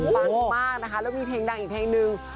ฟังมากนะคะแล้วมีเพลงดังอีกเพลงนึง